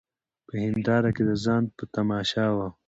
په هینداره کي د ځان په تماشا وه